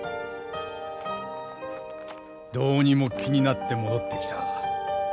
どうにも気になって戻ってきた。